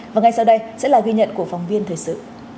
và ngay sau đây sẽ là ghi nhận của phóng viên thời sự